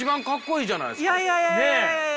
いやいやいやいや。